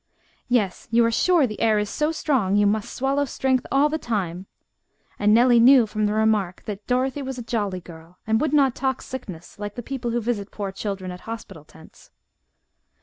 "Yes, you are sure the air is so strong you must swallow strength all the time," and Nellie knew from the remark that Dorothy was a jolly girl, and would not talk sickness, like the people who visit poor children at hospital tents.